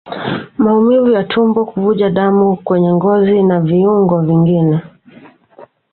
Maumivu ya tumbo Kuvuja damu kwenye ngozi na viungo vingine